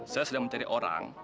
saya sedang mencari orang